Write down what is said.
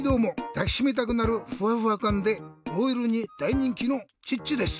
だきしめたくなるフワフワかんでＯＬにだいにんきのチッチです。